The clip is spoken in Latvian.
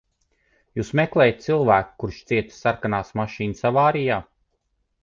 Jūs meklējat cilvēku, kurš cieta sarkanās mašīnas avārijā?